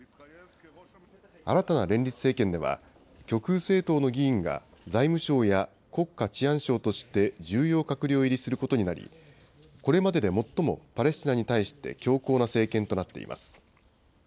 新たな連立政権では、極右政党の議員が財務相や国家治安相として重要閣僚入りすることになり、これまでで最もパレスチナに対して強硬な政権となっています。